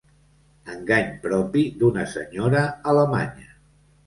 Engany propi d'una senyora alemanya.